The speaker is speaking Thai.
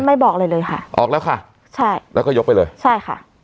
บอกอะไรเลยค่ะออกแล้วค่ะใช่แล้วก็ยกไปเลยใช่ค่ะ